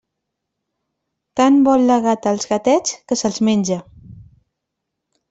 Tant vol la gata als gatets, que se'ls menja.